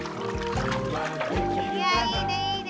いやいいねいいね。